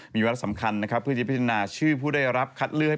มีแวลกสำคัญเพื่อที่พิจารณาชื่อผู้ได้รับคัดเลือก